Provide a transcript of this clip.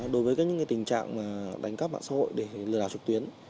đối với các tình trạng mà đánh cắp mạng xã hội để lừa đảo trực tuyến